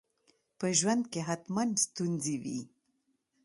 په ژوند کي حتماً ستونزي وي.